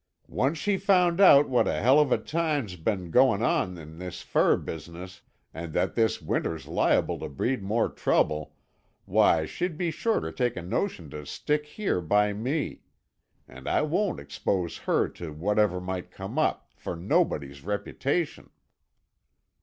Once she found out what a hell of a time's been goin' on in this fur business, and that this winter's liable to breed more trouble, why she'd be sure to take a notion to stick here by me. An' I won't expose her to whatever might come up, for nobody's reputation."